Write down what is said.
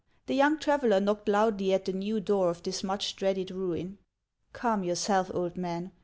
The young traveller knocked loudly at the new door of this much dreaded ruin. " Calm yourself, old man.